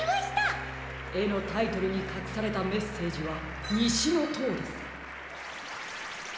えのタイトルにかくされたメッセージは「にしのとう」です。